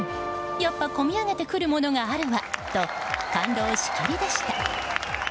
やっぱこみ上げてくるものがあるわと感動しきりでした。